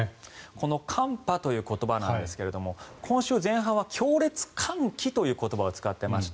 この寒波という言葉なんですが今週前半は強烈寒気という言葉を使っていました。